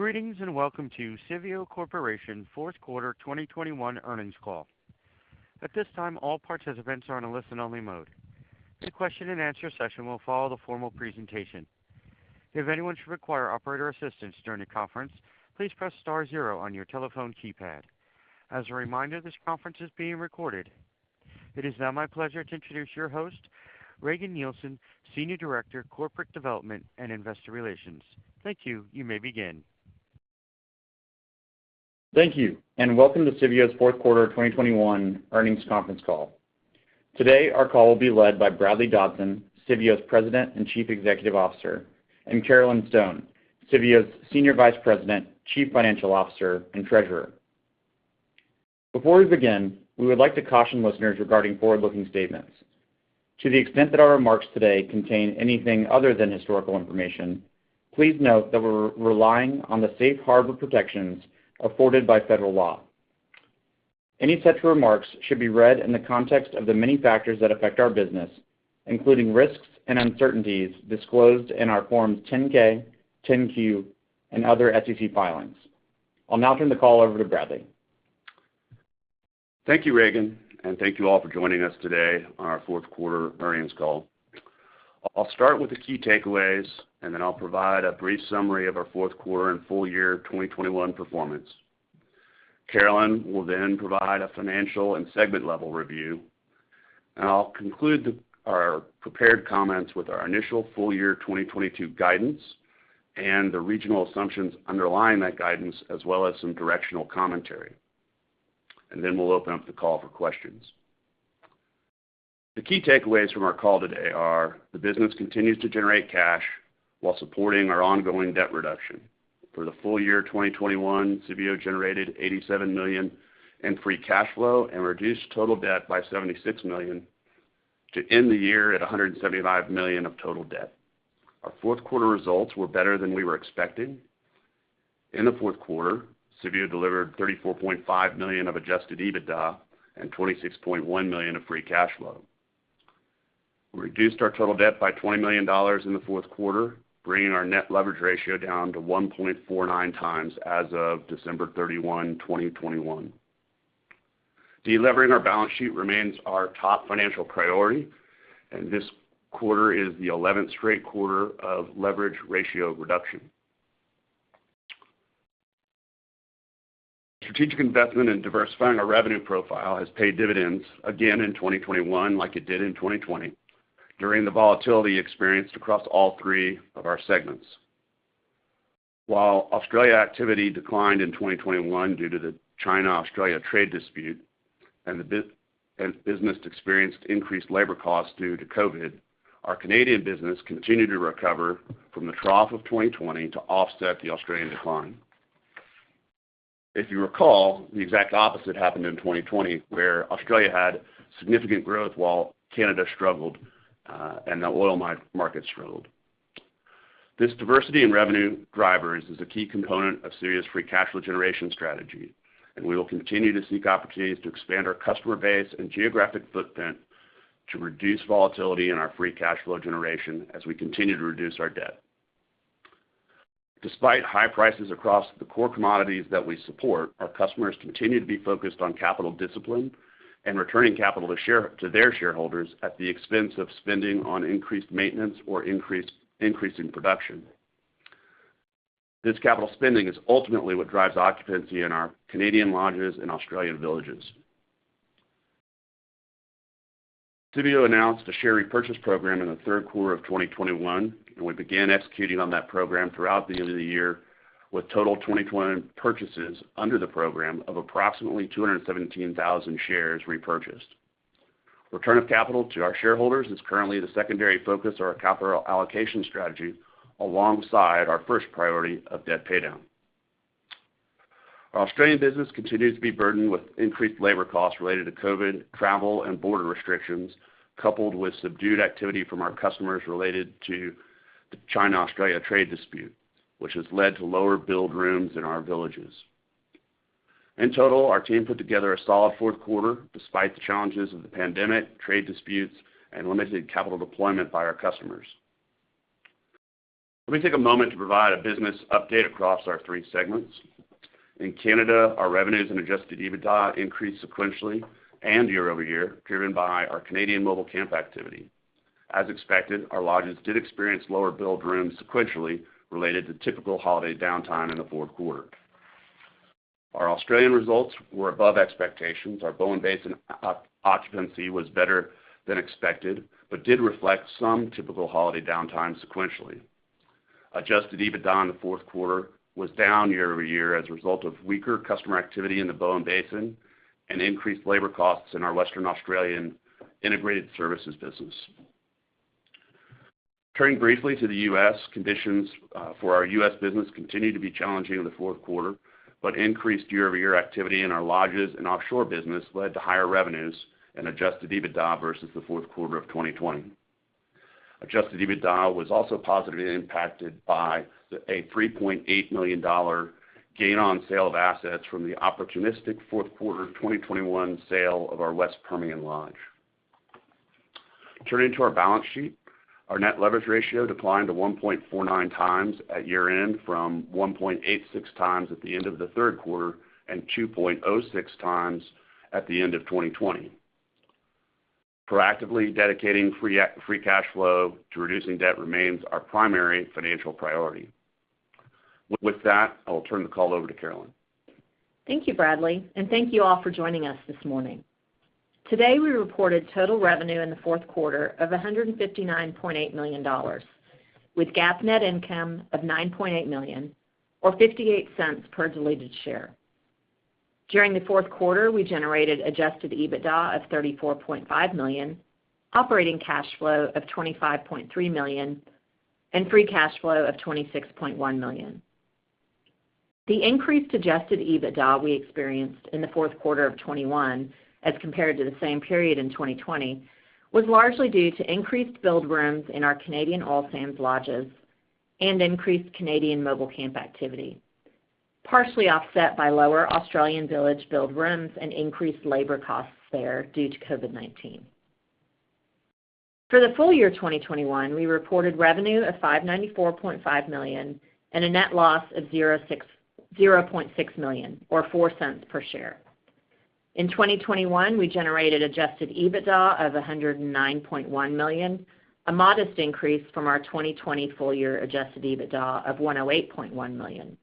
Greetings, and welcome to Civeo Corporation Q4 2021 earnings call. At this time, all participants are on a listen-only mode. A question and answer session will follow the formal presentation. If anyone should require operator assistance during the conference, please press star zero on your telephone keypad. As a reminder, this conference is being recorded. It is now my pleasure to introduce your host, Regan Nielsen, Senior Director, Corporate Development and Investor Relations. Thank you. You may begin. Thank you, and welcome to Civeo's Q4 2021 earnings conference call. Today, our call will be led by Bradley Dodson, Civeo's President and Chief Executive Officer, and Carolyn Stone, Civeo's Senior Vice President, Chief Financial Officer, and Treasurer. Before we begin, we would like to caution listeners regarding forward-looking statements. To the extent that our remarks today contain anything other than historical information, please note that we're relying on the safe harbor protections afforded by federal law. Any such remarks should be read in the context of the many factors that affect our business, including risks and uncertainties disclosed in our Forms 10-K, 10-Q, and other SEC filings. I'll now turn the call over to Bradley. Thank you, Regan, and thank you all for joining us today on our Q4 earnings call. I'll start with the key takeaways, and then I'll provide a brief summary of our Q4 and full year 2021 performance. Carolyn will then provide a financial and segment-level review. I'll conclude our prepared comments with our initial full year 2022 guidance and the regional assumptions underlying that guidance as well as some directional commentary. Then we'll open up the call for questions. The key takeaways from our call today are the business continues to generate cash while supporting our ongoing debt reduction. For the full year 2021, Civeo generated $87 million in free cash flow and reduced total debt by $76 million to end the year at $175 million of total debt. Our Q4 results were better than we were expecting. In the Q4, Civeo delivered $34.5 million of Adjusted EBITDA and $26.1 million of free cash flow. We reduced our total debt by $20 million in the Q4, bringing our net leverage ratio down to 1.49 times as of December 31, 2021. Delevering our balance sheet remains our top financial priority, and this quarter is the 11th straight quarter of leverage ratio reduction. Strategic investment in diversifying our revenue profile has paid dividends again in 2021 like it did in 2020 during the volatility experienced across all three of our segments. While Australia activity declined in 2021 due to the China-Australia trade dispute and the business experienced increased labor costs due to COVID, our Canadian business continued to recover from the trough of 2020 to offset the Australian decline. If you recall, the exact opposite happened in 2020, where Australia had significant growth while Canada struggled, and the oil sands market struggled. This diversity in revenue drivers is a key component of Civeo's free cash flow generation strategy, and we will continue to seek opportunities to expand our customer base and geographic footprint to reduce volatility in our free cash flow generation as we continue to reduce our debt. Despite high prices across the core commodities that we support, our customers continue to be focused on capital discipline and returning capital to their shareholders at the expense of spending on increased maintenance or increasing production. This capital spending is ultimately what drives occupancy in our Canadian lodges and Australian villages. Civeo announced a share repurchase program in the Q3 of 2021, and we began executing on that program throughout the end of the year with total 2021 purchases under the program of approximately 217,000 shares repurchased. Return of capital to our shareholders is currently the secondary focus of our capital allocation strategy alongside our first priority of debt paydown. Our Australian business continues to be burdened with increased labor costs related to COVID, travel and border restrictions, coupled with subdued activity from our customers related to the China-Australia trade dispute, which has led to lower billed rooms in our villages. In total, our team put together a solid Q4 despite the challenges of the pandemic, trade disputes, and limited capital deployment by our customers. Let me take a moment to provide a business update across our three segments. In Canada, our revenues and Adjusted EBITDA increased sequentially and year-over-year, driven by our Canadian mobile camp activity. As expected, our lodges did experience lower billed rooms sequentially related to typical holiday downtime in the Q4. Our Australian results were above expectations. Our Bowen Basin occupancy was better than expected but did reflect some typical holiday downtime sequentially. Adjusted EBITDA in the Q4 was down year-over-year as a result of weaker customer activity in the Bowen Basin and increased labor costs in our Western Australian integrated services business. Turning briefly to the U.S., conditions for our U.S. business continued to be challenging in the Q4, but increased year-over-year activity in our lodges and offshore business led to higher revenues and Adjusted EBITDA versus the Q3 of 2020. Adjusted EBITDA was also positively impacted by a $3.8 million gain on sale of assets from the opportunistic Q4 of 2021 sale of our West Permian Lodge. Turning to our balance sheet. Our net leverage ratio declined to 1.49 times at year-end from 1.86 times at the end of the Q3 and 2.06 times at the end of 2020. Proactively dedicating free cash flow to reducing debt remains our primary financial priority. With that, I'll turn the call over to Carolyn. Thank you, Bradley, and thank you all for joining us this morning. Today, we reported total revenue in the Q4 of $159.8 million, with GAAP net income of $9.8 million, or $0.58 per diluted share. During the Q4, we generated Adjusted EBITDA of $34.5 million, operating cash flow of $25.3 million, and free cash flow of $26.1 million. The increase to Adjusted EBITDA we experienced in the Q4 of 2021 as compared to the same period in 2020 was largely due to increased billed rooms in our Canadian oil sands lodges and increased Canadian mobile camp activity, partially offset by lower Australian village billed rooms and increased labor costs there due to COVID-19. For the full year 2021, we reported revenue of $594.5 million and a net loss of $0.6 million or $0.04 per share. In 2021, we generated Adjusted EBITDA of $109.1 million, a modest increase from our 2020 full year Adjusted EBITDA of $108.1 million.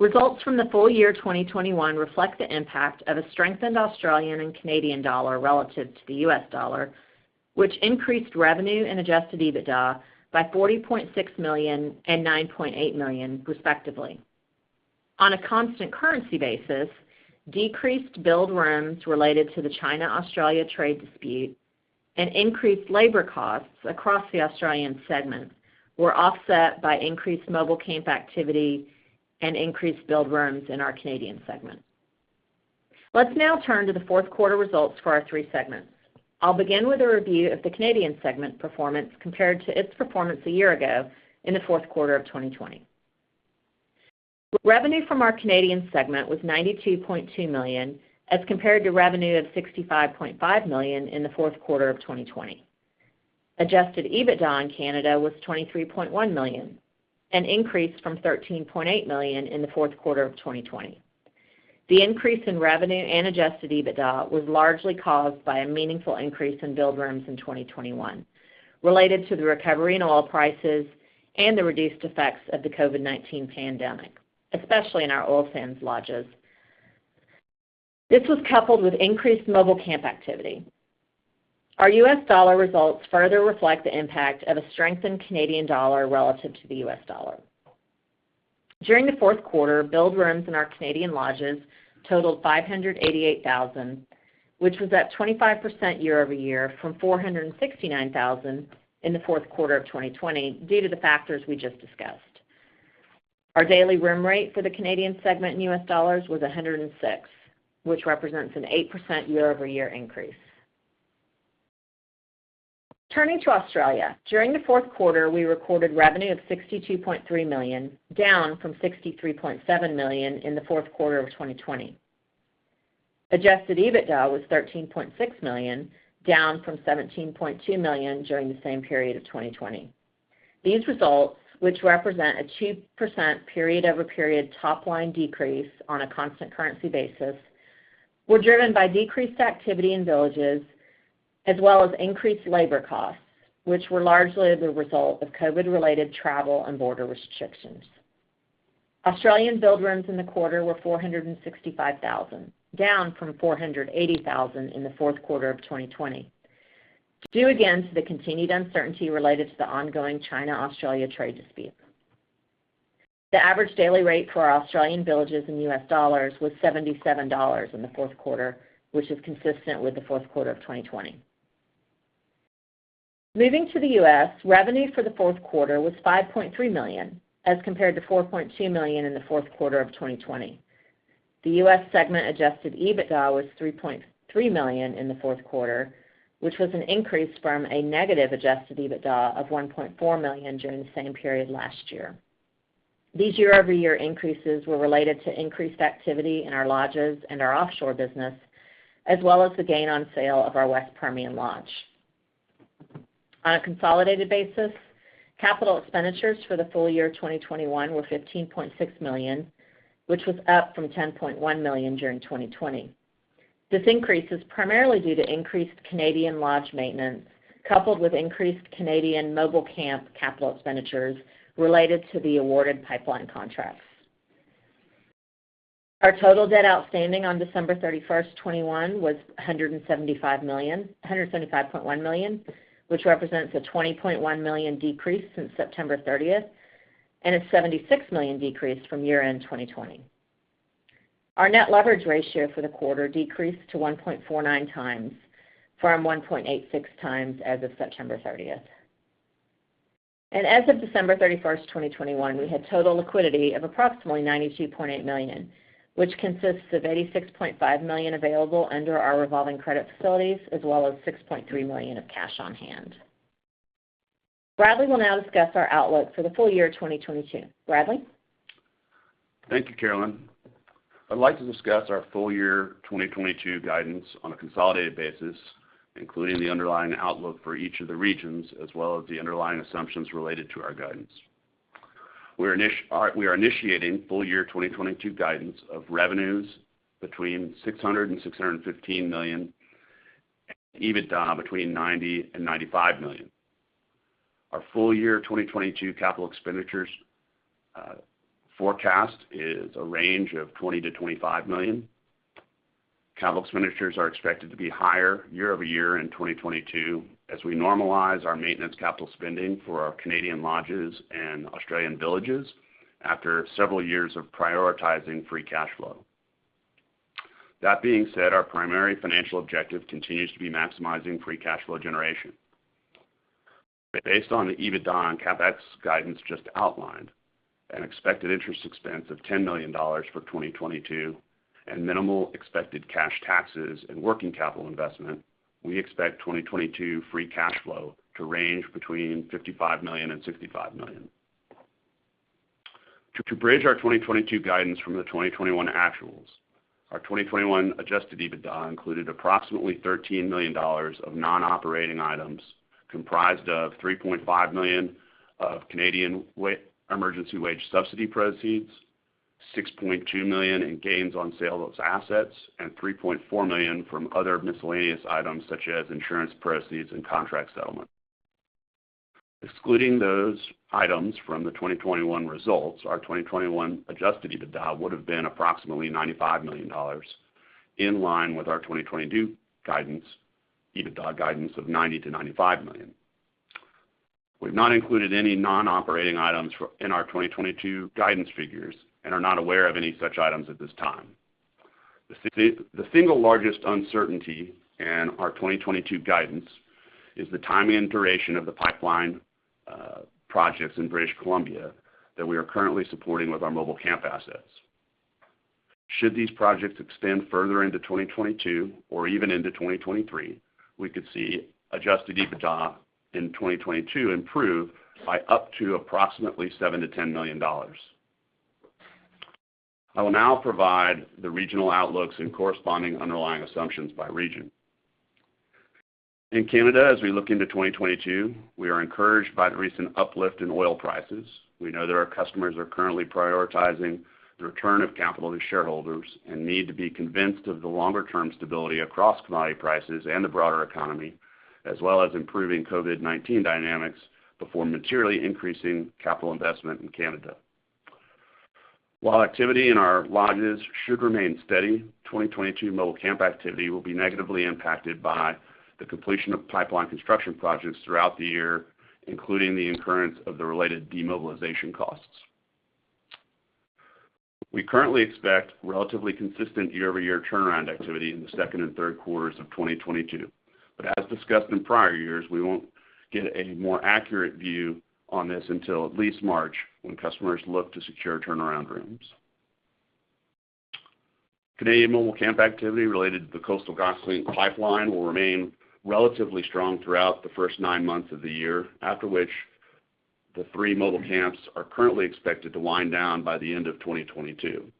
Results from the full year 2021 reflect the impact of a strengthened Australian and Canadian dollar relative to the U.S. Dollar, which increased revenue and Adjusted EBITDA by $40.6 million and $9.8 million, respectively. On a constant currency basis, decreased billed rooms related to the China-Australia trade dispute and increased labor costs across the Australian segment were offset by increased mobile camp activity and increased billed rooms in our Canadian segment. Let's now turn to the Q4 results for our three segments. I'll begin with a review of the Canadian segment performance compared to its performance a year ago in the Q4 of 2020. Revenue from our Canadian segment was $92.2 million as compared to revenue of $65.5 million in the Q4 of 2020. Adjusted EBITDA in Canada was $23.1 million, an increase from $13.8 million in the Q4 of 2020. The increase in revenue and Adjusted EBITDA was largely caused by a meaningful increase in billed rooms in 2021 related to the recovery in oil prices and the reduced effects of the COVID-19 pandemic, especially in our oil sands lodges. This was coupled with increased mobile camp activity. Our U.S. dollar results further reflect the impact of a strengthened Canadian dollar relative to the U.S. Dollar. During the Q4, billed rooms in our Canadian lodges totaled 588,000, which was up 25% year-over-year from 469,000 in the Q4 of 2020 due to the factors we just discussed. Our daily room rate for the Canadian segment in U.S. dollars was $106, which represents an 8% year-over-year increase. Turning to Australia. During the Q4, we recorded revenue of $62.3 million, down from $63.7 million in the Q4 of 2020. Adjusted EBITDA was $13.6 million, down from $17.2 million during the same period of 2020. These results, which represent a 2% period-over-period top line decrease on a constant currency basis, were driven by decreased activity in villages as well as increased labor costs, which were largely the result of COVID-related travel and border restrictions. Australian billed rooms in the quarter were 465,000, down from 480,000 in the Q4 of 2020 due again to the continued uncertainty related to the ongoing China-Australia trade dispute. The average daily rate for our Australian villages in U.S. Dollars was $77 in the Q4, which is consistent with the Q4 of 2020. Moving to the U.S., revenue for the Q4 was $5.3 million as compared to $4.2 million in the Q4 of 2020. The U.S. segment Adjusted EBITDA was $3.3 million in the Q4, which was an increase from a negative Adjusted EBITDA of $1.4 million during the same period last year. These year-over-year increases were related to increased activity in our lodges and our offshore business, as well as the gain on sale of our West Permian Lodge. On a consolidated basis, capital expenditures for the full year 2021 were $15.6 million, which was up from $10.1 million during 2020. This increase is primarily due to increased Canadian lodge maintenance coupled with increased Canadian mobile camp capital expenditures related to the awarded pipeline contracts. Our total debt outstanding on December 31, 2021 was $175.1 million, which represents a $20.1 million decrease since September 30 and a $76 million decrease from year-end 2020. Our net leverage ratio for the quarter decreased to 1.49 times from 1.86 times as of September 30. As of December 31, 2021, we had total liquidity of approximately $92.8 million, which consists of $86.5 million available under our revolving credit facilities as well as $6.3 million of cash on hand. Bradley will now discuss our outlook for the full year 2022. Bradley. Thank you, Carolyn. I'd like to discuss our full year 2022 guidance on a consolidated basis, including the underlying outlook for each of the regions, as well as the underlying assumptions related to our guidance. We are initiating full year 2022 guidance of revenues between $600 million and $615 million and EBITDA between $90 million and $95 million. Our full year 2022 capital expenditures forecast is a range of $20 million-$25 million. Capital expenditures are expected to be higher year-over-year in 2022 as we normalize our maintenance capital spending for our Canadian lodges and Australian villages after several years of prioritizing free cash flow. That being said, our primary financial objective continues to be maximizing free cash flow generation. Based on the EBITDA and CapEx guidance just outlined, an expected interest expense of $10 million for 2022 and minimal expected cash taxes and working capital investment, we expect 2022 free cash flow to range between $55 million and $65 million. To bridge our 2022 guidance from the 2021 actuals, our 2021 Adjusted EBITDA included approximately $13 million of non-operating items, comprised of $3.5 million of Canada Emergency Wage Subsidy proceeds, $6.2 million in gains on sale of assets, and $3.4 million from other miscellaneous items such as insurance proceeds and contract settlements. Excluding those items from the 2021 results, our 2021 Adjusted EBITDA would have been approximately $95 million, in line with our 2022 guidance, EBITDA guidance of $90 million-$95 million. We've not included any non-operating items for... in our 2022 guidance figures and are not aware of any such items at this time. The single largest uncertainty in our 2022 guidance is the timing and duration of the pipeline projects in British Columbia that we are currently supporting with our mobile camp assets. Should these projects extend further into 2022 or even into 2023, we could see Adjusted EBITDA in 2022 improve by up to approximately $7 million-$10 million. I will now provide the regional outlooks and corresponding underlying assumptions by region. In Canada, as we look into 2022, we are encouraged by the recent uplift in oil prices. We know that our customers are currently prioritizing the return of capital to shareholders and need to be convinced of the longer term stability across commodity prices and the broader economy, as well as improving COVID-19 dynamics before materially increasing capital investment in Canada. While activity in our lodges should remain steady, 2022 mobile camp activity will be negatively impacted by the completion of pipeline construction projects throughout the year, including the incurrence of the related demobilization costs. We currently expect relatively consistent year-over-year turnaround activity in the second and Q3 of 2022. As discussed in prior years, we won't get a more accurate view on this until at least March, when customers look to secure turnaround rooms. Canadian mobile camp activity related to the Coastal GasLink pipeline will remain relatively strong throughout the first nine months of the year, after which the 3 mobile camps are currently expected to wind down by the end of 2022.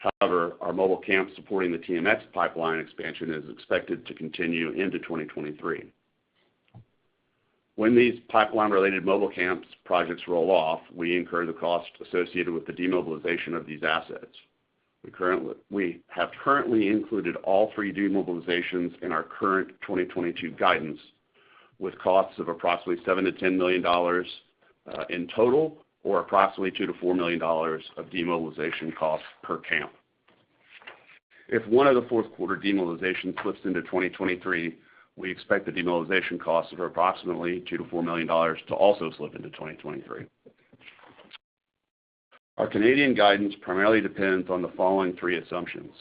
However, our mobile camp supporting the TMX pipeline expansion is expected to continue into 2023. When these pipeline related mobile camps projects roll off, we incur the cost associated with the demobilization of these assets. We have currently included all three demobilizations in our current 2022 guidance, with costs of approximately $7 million-$10 million in total or approximately $2 million-$4 million of demobilization costs per camp. If one of the Q4 demobilizations slips into 2023, we expect the demobilization costs of approximately $2 million-$4 million to also slip into 2023. Our Canadian guidance primarily depends on the following three assumptions.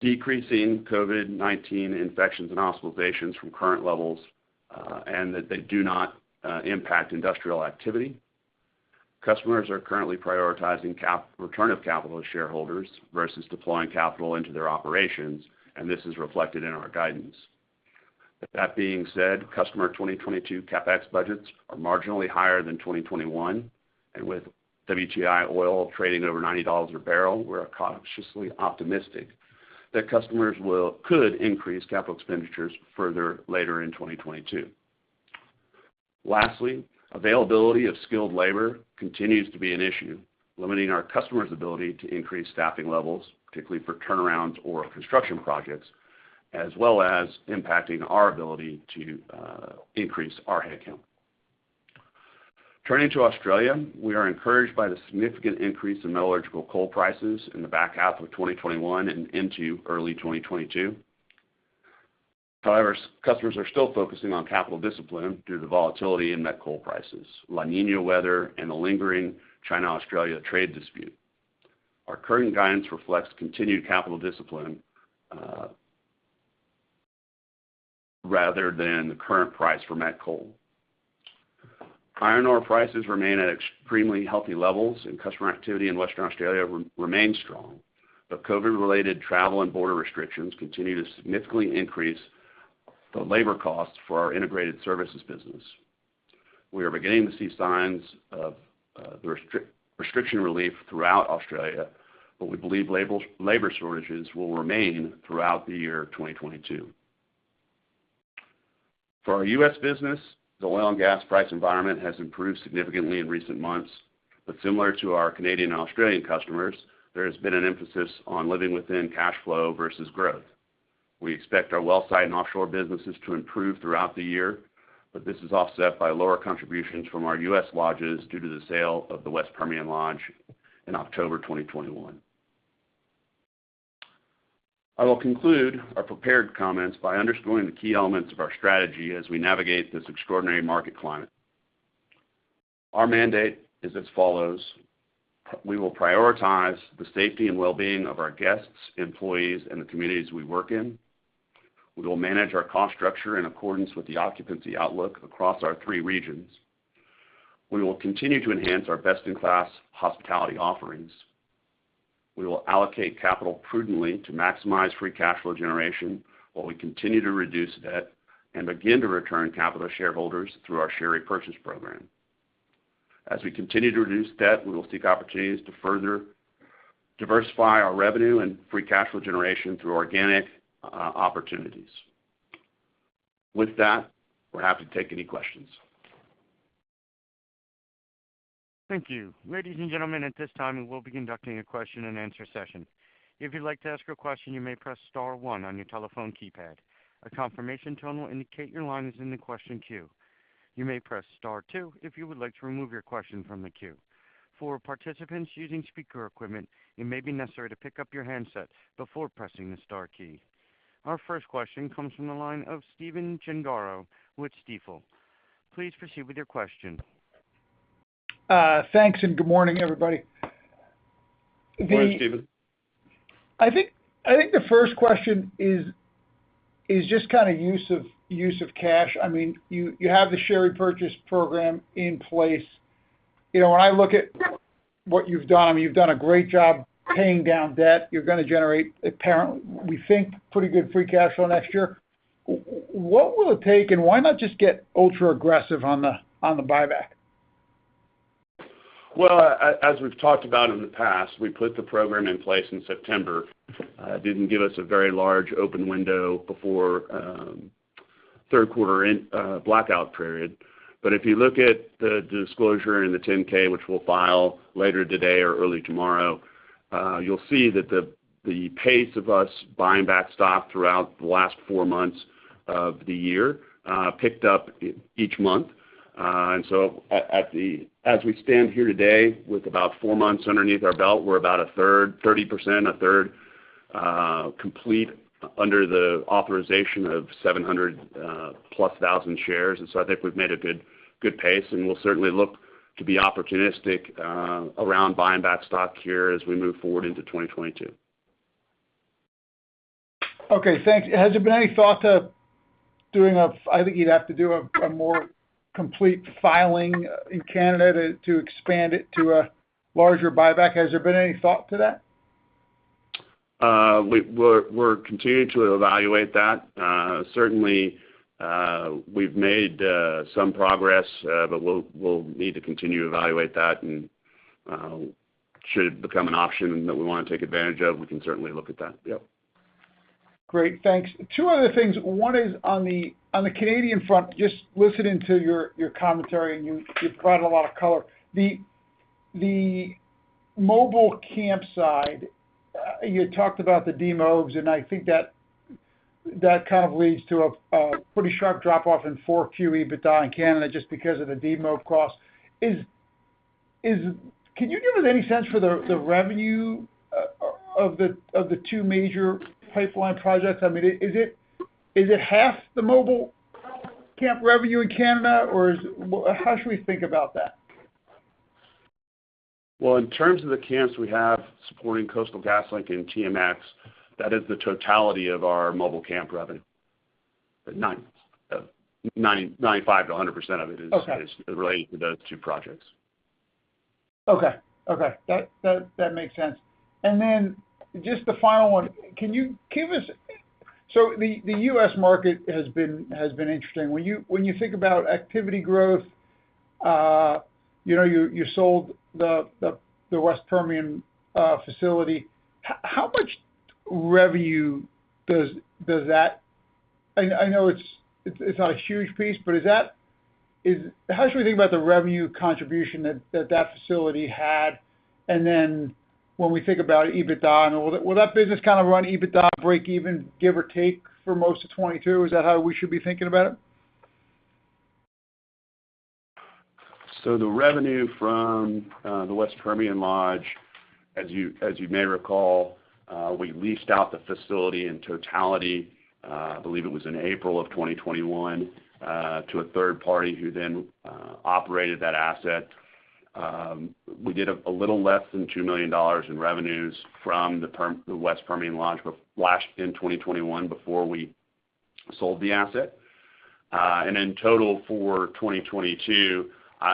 Decreasing COVID-19 infections and hospitalizations from current levels, and that they do not impact industrial activity. Customers are currently prioritizing return of capital to shareholders versus deploying capital into their operations, and this is reflected in our guidance. That being said, customer 2022 CapEx budgets are marginally higher than 2021, and with WTI oil trading at over $90 a barrel, we're cautiously optimistic that customers could increase capital expenditures further later in 2022. Lastly, availability of skilled labor continues to be an issue, limiting our customers' ability to increase staffing levels, particularly for turnarounds or construction projects, as well as impacting our ability to increase our headcount. Turning to Australia, we are encouraged by the significant increase in metallurgical coal prices in the back half of 2021 and into early 2022. However, customers are still focusing on capital discipline due to the volatility in met coal prices, La Niña weather, and the lingering China-Australia trade dispute. Our current guidance reflects continued capital discipline, rather than the current price for met coal. iron ore prices remain at extremely healthy levels, and customer activity in Western Australia remain strong. COVID-related travel and border restrictions continue to significantly increase the labor costs for our integrated services business. We are beginning to see signs of the restriction relief throughout Australia, but we believe labor shortages will remain throughout the year 2022. For our U.S. business, the oil and gas price environment has improved significantly in recent months. Similar to our Canadian and Australian customers, there has been an emphasis on living within cash flow versus growth. We expect our well site and offshore businesses to improve throughout the year, but this is offset by lower contributions from our U.S. lodges due to the sale of the West Permian Lodge in October 2021. I will conclude our prepared comments by underscoring the key elements of our strategy as we navigate this extraordinary market climate. Our mandate is as follows. We will prioritize the safety and well-being of our guests, employees, and the communities we work in. We will manage our cost structure in accordance with the occupancy outlook across our three regions. We will continue to enhance our best-in-class hospitality offerings. We will allocate capital prudently to maximize free cash flow generation while we continue to reduce debt and begin to return capital to shareholders through our share repurchase program. As we continue to reduce debt, we will seek opportunities to further diversify our revenue and free cash flow generation through organic opportunities. With that, we're happy to take any questions. Thank you. Ladies and gentlemen, at this time, we will be conducting a question-and-answer session. If you'd like to ask a question, you may press star one on your telephone keypad. A confirmation tone will indicate your line is in the question queue. You may press star two if you would like to remove your question from the queue. For participants using speaker equipment, it may be necessary to pick up your handset before pressing the star key. Our first question comes from the line of Stephen Gengaro with Stifel. Please proceed with your question. Thanks, and good morning, everybody. Morning, Stephen. I think the first question is just kinda use of cash. I mean, you have the share repurchase program in place. when I look at what you've done, I mean, you've done a great job paying down debt. You're gonna generate, we think, pretty good free cash flow next year. What will it take, and why not just get ultra-aggressive on the buyback? Well, as we've talked about in the past, we put the program in place in September. It didn't give us a very large open window before Q3 end blackout period. If you look at the disclosure in the 10-K, which we'll file later today or early tomorrow, you'll see that the pace of us buying back stock throughout the last four months of the year picked up each month. As we stand here today with about four months underneath our belt, we're about a third, thirty percent complete under the authorization of 700,000+ shares. I think we've made a good pace, and we'll certainly look to be opportunistic around buying back stock here as we move forward into 2022. Okay, thanks. Has there been any thought to doing a I think you'd have to do a more complete filing in Canada to expand it to a larger buyback. Has there been any thought to that? We're continuing to evaluate that. Certainly, we've made some progress, but we'll need to continue to evaluate that and should it become an option that we wanna take advantage of, we can certainly look at that. Yep. Great. Thanks. Two other things. One is on the Canadian front, just listening to your commentary, and you've provided a lot of color. The mobile camp side, you talked about the demobes, and I think that kind of leads to a pretty sharp drop-off in 4Q EBITDA in Canada just because of the demobe costs. Can you give us any sense for the revenue of the two major pipeline projects? I mean, is it half the mobile camp revenue in Canada, or how should we think about that? Well, in terms of the camps we have supporting Coastal GasLink and TMX, that is the totality of our mobile camp revenue. 95%-100% of it is- Okay. is related to those two projects. Okay. That makes sense. Just the final one. Can you give us. The U.S. market has been interesting. When you think about activity growth you sold the West Permian facility. How much revenue does that? I know it's not a huge piece, but how should we think about the revenue contribution that facility had? When we think about EBITDA and all that, will that business kind of run EBITDA break even, give or take, for most of 2022? Is that how we should be thinking about it? The revenue from the West Permian Lodge, as you may recall, we leased out the facility in totality. I believe it was in April of 2021 to a third party who then operated that asset. We did a little less than $2 million in revenues from the West Permian Lodge back in 2021 before we sold the asset. In total for 2022,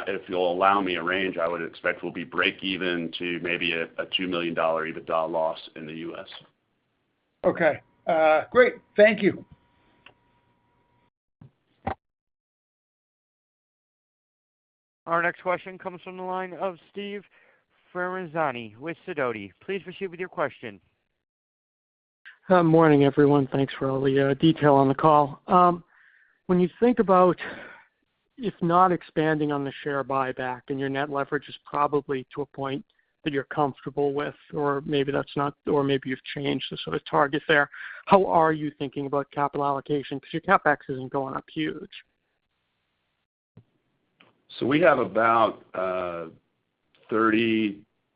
if you'll allow me a range, I would expect we'll be break even to maybe a $2 million EBITDA loss in the U.S. Okay. Great. Thank you. Our next question comes from the line of Steve Ferazani with Sidoti. Please proceed with your question. Morning, everyone. Thanks for all the detail on the call. When you think about, if not expanding on the share buyback and your net leverage is probably to a point that you're comfortable with or maybe that's not or maybe you've changed the sort of target there, how are you thinking about capital allocation? Because your CapEx isn't going up huge. We have about $32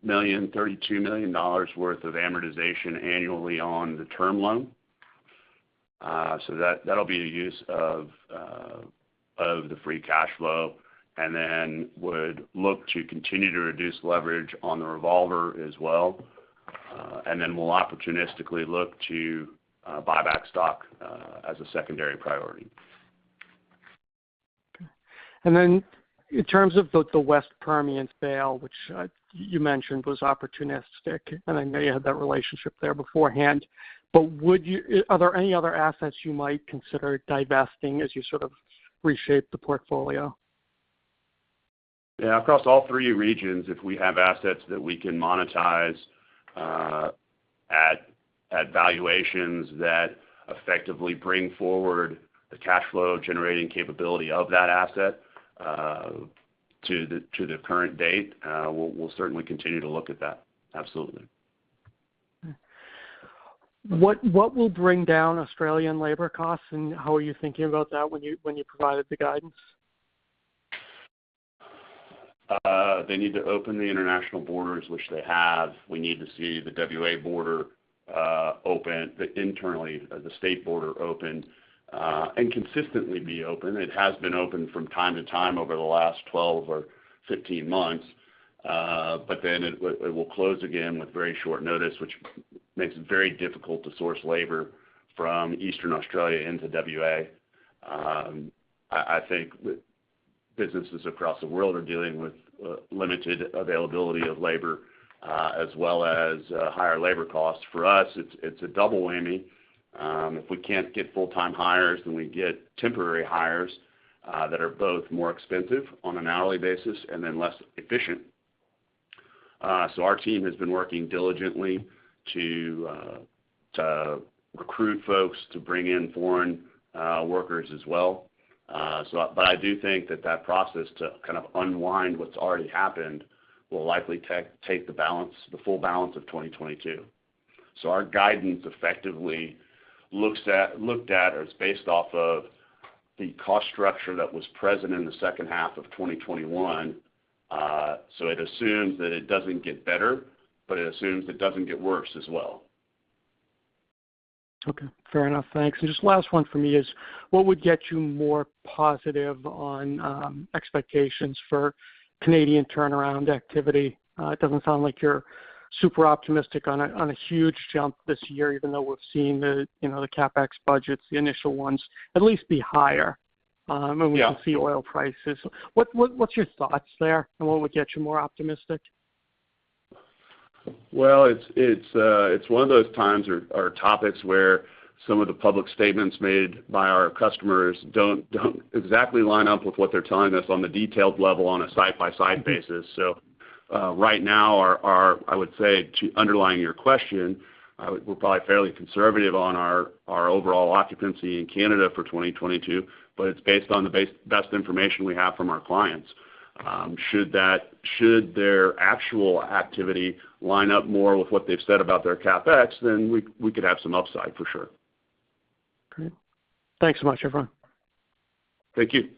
million worth of amortization annually on the term loan. That'll be a use of the free cash flow. We would look to continue to reduce leverage on the revolver as well, and then we'll opportunistically look to buy back stock as a secondary priority. Okay. In terms of the West Permian sale, which you mentioned was opportunistic, and I know you had that relationship there beforehand, but are there any other assets you might consider divesting as you sort of reshape the portfolio? Yeah. Across all three regions, if we have assets that we can monetize, at valuations that effectively bring forward the cash flow generating capability of that asset, to the current date, we'll certainly continue to look at that. Absolutely. Okay. What will bring down Australian labor costs, and how are you thinking about that when you provided the guidance? They need to open the international borders, which they have. We need to see the WA border open, the state border open, and consistently be open. It has been open from time to time over the last 12 or 15 months, but then it will close again with very short notice, which makes it very difficult to source labor from Eastern Australia into WA. I think businesses across the world are dealing with limited availability of labor as well as higher labor costs. For us, it's a double whammy. If we can't get full-time hires, then we get temporary hires that are both more expensive on an hourly basis and then less efficient. Our team has been working diligently to recruit folks to bring in foreign workers as well. I do think that process to kind of unwind what's already happened will likely take the full balance of 2022. Our guidance effectively looked at or it's based off of the cost structure that was present in the H2 of 2021. It assumes that it doesn't get better, but it assumes it doesn't get worse as well. Okay, fair enough. Thanks. Just last one for me is, what would get you more positive on expectations for Canadian turnaround activity? It doesn't sound like you're super optimistic on a huge jump this year, even though we've seen the CapEx budgets, the initial ones, at least be higher. Yeah. We can see oil prices. What's your thoughts there, and what would get you more optimistic? Well, it's one of those times or topics where some of the public statements made by our customers don't exactly line up with what they're telling us on the detailed level on a side-by-side basis. Right now, I would say underlying your question, we're probably fairly conservative on our overall occupancy in Canada for 2022, but it's based on the best information we have from our clients. Should their actual activity line up more with what they've said about their CapEx, then we could have some upside for sure. Great. Thanks so much, everyone. Thank you.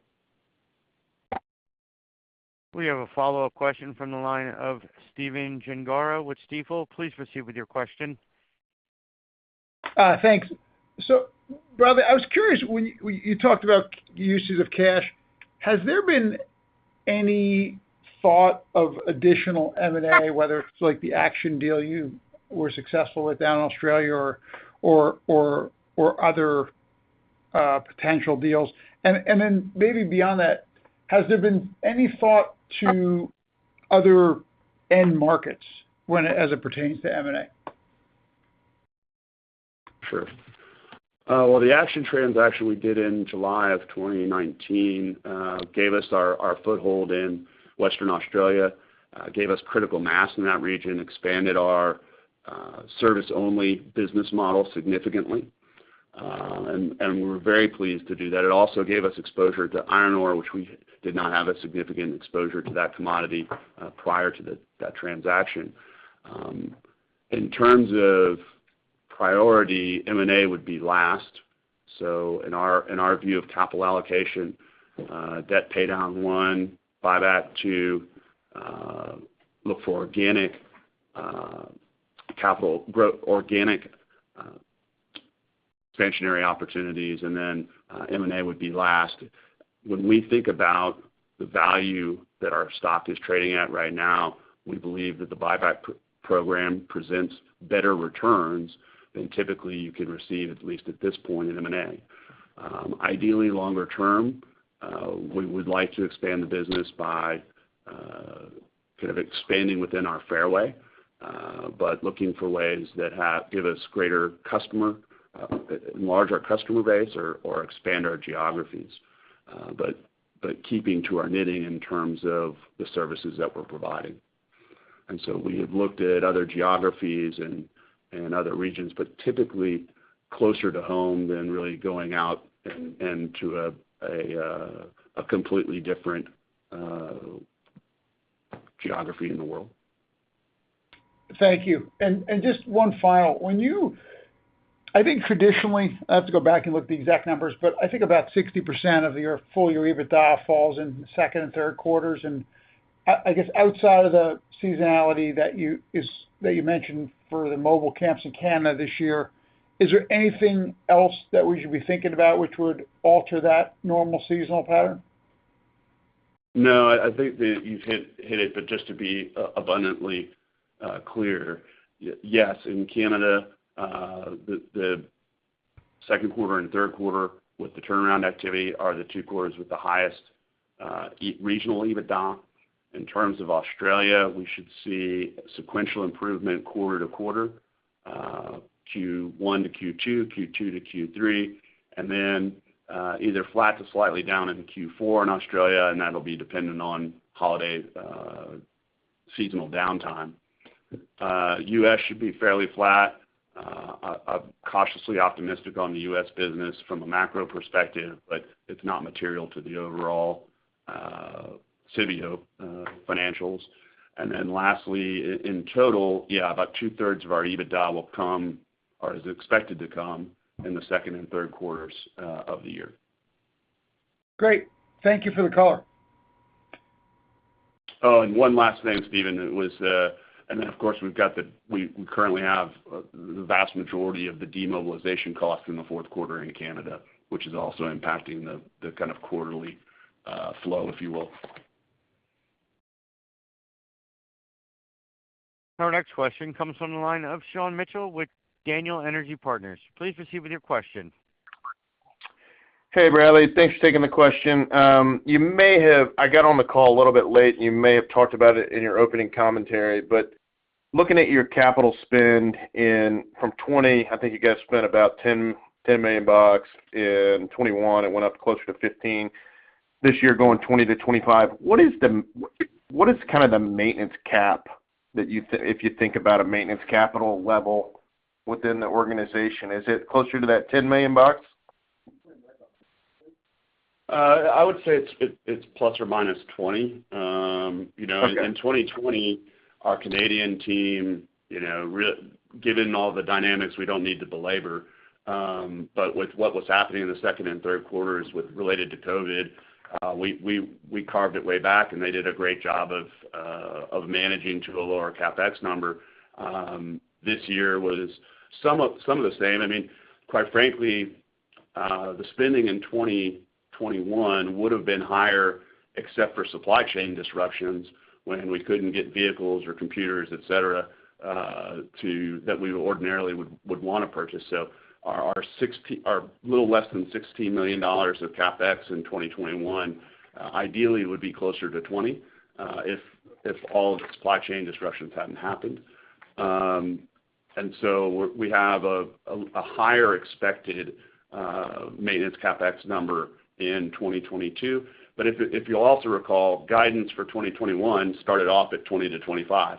We have a follow-up question from the line of Stephen Gengaro with Stifel. Please proceed with your question. Thanks. Bradley Dodson, I was curious when you talked about uses of cash, has there been any thought of additional M&A, whether it's like the Action deal you were successful with down in Australia or other potential deals? Then maybe beyond that, has there been any thought to other end markets as it pertains to M&A? Sure. Well, the Action transaction we did in July 2019 gave us our foothold in Western Australia, gave us critical mass in that region, expanded our service only business model significantly. We're very pleased to do that. It also gave us exposure to iron ore, which we did not have a significant exposure to that commodity prior to that transaction. In terms of priority, M&A would be last. In our view of capital allocation, debt pay down, 1; buyback, 2; look for organic expansionary opportunities, and then M&A would be last. When we think about the value that our stock is trading at right now, we believe that the buyback program presents better returns than typically you can receive, at least at this point, in M&A. Ideally, longer term, we would like to expand the business by kind of expanding within our fairway, but looking for ways that give us greater customer, enlarge our customer base or expand our geographies. Keeping to our knitting in terms of the services that we're providing. We have looked at other geographies and other regions, but typically closer to home than really going out and to a completely different geography in the world. Thank you. Just one final. When you I think traditionally, I have to go back and look at the exact numbers, but I think about 60% of your full-year EBITDA falls in Q2 and Q3. I guess, outside of the seasonality that you mentioned for the mobile camps in Canada this year, is there anything else that we should be thinking about which would alter that normal seasonal pattern? No. I think that you've hit it. But just to be abundantly clear, yes, in Canada, the Q2 and Q3 with the turnaround activity are the Q2 with the highest regional EBITDA. In terms of Australia, we should see sequential improvement quarter-to-quarter, Q1 to Q2 to Q3, and then either flat to slightly down into Q4 in Australia, and that'll be dependent on holiday seasonal downtime. U.S. should be fairly flat. I'm cautiously optimistic on the U.S. business from a macro perspective, but it's not material to the overall Civeo financials. Lastly, in total, yeah, about two-thirds of our EBITDA will come, or is expected to come in the second and Q3 of the year. Great. Thank you for the color. Oh, and one last thing, Stephen. Of course, we currently have the vast majority of the demobilization costs in the Q4 in Canada, which is also impacting the kind of quarterly flow, if you will. Our next question comes from the line of Sean Mitchell with Daniel Energy Partners. Please proceed with your question. Hey, Bradley. Thanks for taking the question. I got on the call a little bit late, you may have talked about it in your opening commentary, but looking at your capital spend from 2020, I think you guys spent about $10 million. In 2021, it went up closer to $15 million. This year, going $20 million-$25 million. What is kind of the maintenance cap if you think about a maintenance capital level within the organization? Is it closer to that $10 million? I would say it's ±20. Okay. In 2020, our Canadian team given all the dynamics, we don't need to belabor, but with what was happening in the second and Q3 related to COVID, we carved it way back and they did a great job of managing to a lower CapEx number. This year was some of the same. I mean, quite frankly, the spending in 2021 would have been higher except for supply chain disruptions when we couldn't get vehicles or computers, et cetera, that we ordinarily would wanna purchase. Our little less than $16 million of CapEx in 2021 ideally would be closer to $20 million, if all the supply chain disruptions hadn't happened. We have a higher expected maintenance CapEx number in 2022. If you'll also recall, guidance for 2021 started off at 20-25.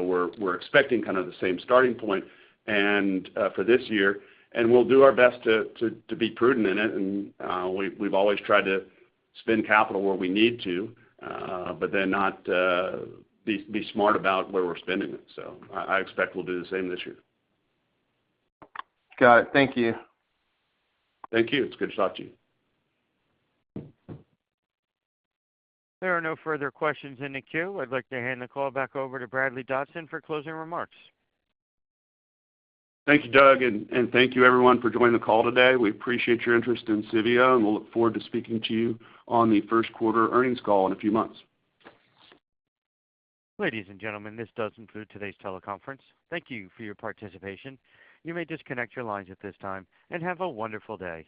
We're expecting kind of the same starting point and for this year, and we'll do our best to be prudent in it. We've always tried to spend capital where we need to, but be smart about where we're spending it. I expect we'll do the same this year. Got it. Thank you. Thank you. It's good to talk to you. There are no further questions in the queue. I'd like to hand the call back over to Bradley Dodson for closing remarks. Thank you, Doug. Thank you everyone for joining the call today. We appreciate your interest in Civeo, and we'll look forward to speaking to you on the Q1 earnings call in a few months. Ladies and gentlemen, this does conclude today's teleconference. Thank you for your participation. You may disconnect your lines at this time, and have a wonderful day.